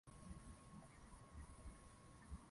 Hii ni yetu fahari, lugha yetu tuichunge.